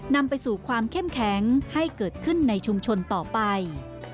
นำไปสู่ความเข้มแข็งให้เกิดขึ้นในชุมชนต่อไป